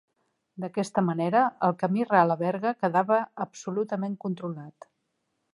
D'aquesta manera, el camí ral a Berga quedava absolutament controlat.